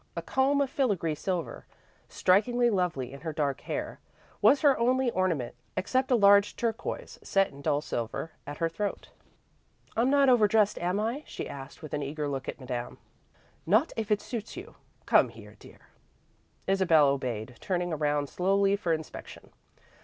A comb, of filagree silver, strikingly lovely in her dark hair, was her only ornament except a large turquoise, set in dull silver, at her throat. "I'm not overdressed, am I?" she asked, with an eager look at Madame. "Not if it suits you. Come here, dear." Isabel obeyed, turning around slowly for inspection.